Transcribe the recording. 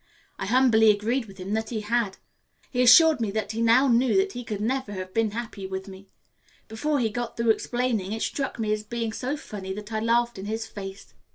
I humbly agreed with him that he had. He assured me that he now knew that he could never have been happy with me. Before he got through explaining, it struck me as being so funny that I laughed in his face.